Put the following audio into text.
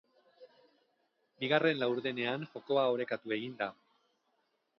Bigarren laurdenean jokoa orekatu egin da.